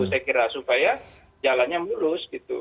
saya kira supaya jalannya mulus gitu